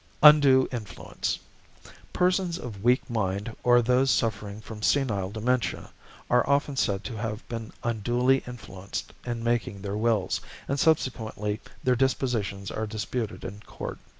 =Undue Influence.= Persons of weak mind or those suffering from senile dementia are often said to have been unduly influenced in making their wills, and subsequently their dispositions are disputed in court.